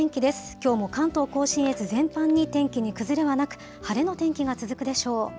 きょうも関東甲信越、全般に天気に崩れはなく、晴れの天気が続くでしょう。